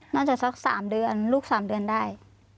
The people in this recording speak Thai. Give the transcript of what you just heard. น่าจะสักสามเดือนลูกสามเดือนได้